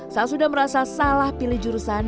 saat sudah merasa salah pilih jurusan